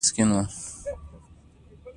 ټپي ته باید د زړه تسکین ورکړو.